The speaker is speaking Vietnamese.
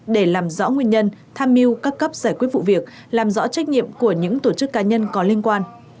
để làm rõ nguyên nhân tham mưu các cấp giải quyết vụ việc làm rõ trách nhiệm của những tổ chức cá nhân có liên quan